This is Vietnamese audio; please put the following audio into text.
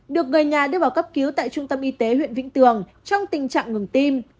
được người nhà đưa vào cấp cứu tại trung tâm y tế huyện vĩnh tường trong tình trạng ngừng tim